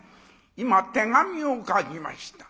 今手紙を書きました。